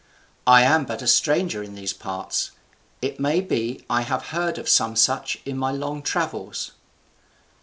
I am but a stranger in these parts. It may be I have heard of some such in my long travels."